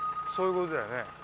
そういうことだよね？